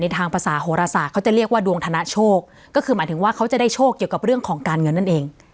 ทางภาษาโหรศาสตร์เขาจะเรียกว่าดวงธนโชคก็คือหมายถึงว่าเขาจะได้โชคเกี่ยวกับเรื่องของการเงินนั่นเอง